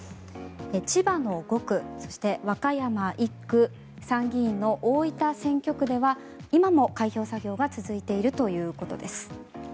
千葉の５区そして和歌山１区参議院の大分選挙区では今も開票作業が続いているということです。